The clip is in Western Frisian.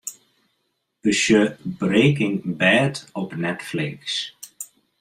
Besjoch 'Breaking Bad' op Netflix.